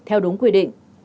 theo đúng quy định